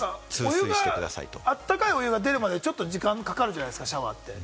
温かいお湯が出るまでちょっと時間かかるじゃないですか、シャワーって。